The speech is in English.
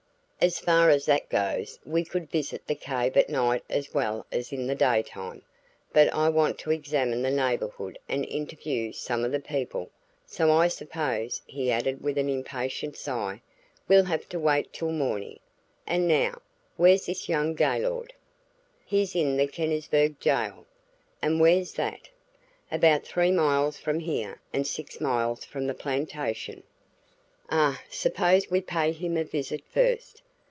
"As far as that goes, we could visit the cave at night as well as in the daytime. But I want to examine the neighborhood and interview some of the people; so I suppose," he added with an impatient sigh, "we'll have to wait till morning. And now, where's this young Gaylord?" "He's in the Kennisburg jail." "And where's that?" "About three miles from here and six miles from the plantation." "Ah suppose we pay him a visit first.